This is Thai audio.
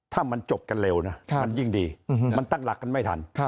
ถ้ามันจบกันเร็วนะมันยิ่งดีมันตั้งหลักกันไม่ทัน